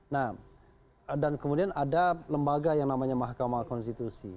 nah dan kemudian ada lembaga yang namanya mahkamah konstitusi